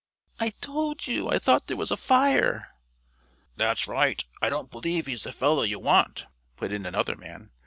"I told you, I thought there was a fire." "That's right, I don't believe he's the fellow you want," put in another man.